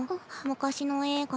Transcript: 昔の映画。